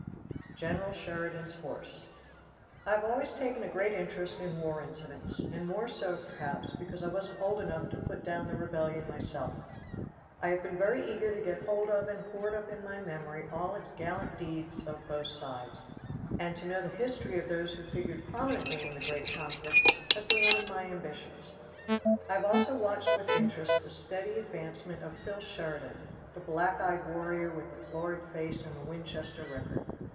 General Sheridan's Horse. I have always taken a great interest in war incidents, and more so, perhaps, because I wasn't old enough to put down the rebellion myself. I have been very eager to get hold of and hoard up in my memory all its gallant deeds of both sides, and to know the history of those who figured prominently in that great conflict has been one of my ambitions. I have also watched with interest the steady advancement of Phil Sheridan, the black eyed warrior with the florid face and the Winchester record.